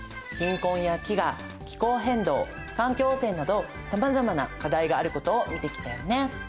貧困や飢餓気候変動環境汚染などさまざまな課題があることを見てきたよね。